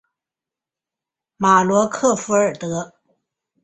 马罗克弗尔德。